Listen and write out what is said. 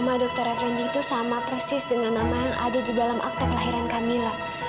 dan nama dokter fendi itu sama persis dengan nama yang ada di dalam akte kelahiran kamila